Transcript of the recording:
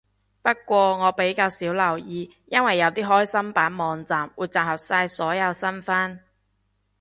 不過我比較少留意，因為有啲開心版網站會集合晒所有新番